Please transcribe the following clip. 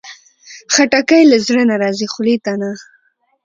خټکی له زړه نه راځي، خولې ته نه.